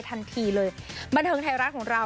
ทันทีเลยบันเทิงไทยรัฐของเรา